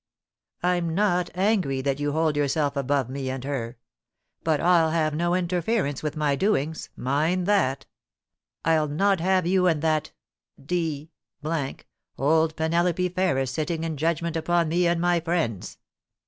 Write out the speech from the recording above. I'm not angry that you hold yourself above me and her ; but I'll have no interference with my doings — mind that. I'll not have you and that d d old Penelope Ferris sitting in judgment upon me and my friends.'